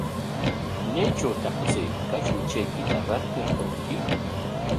¿Maytrawtaq chay kachuchaykita rantirqunki?